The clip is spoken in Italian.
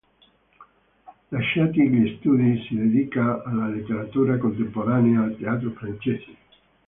Lasciati gli studi si dedica alla letteratura contemporanea e al teatro francese.